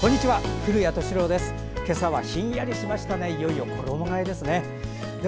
古谷敏郎です。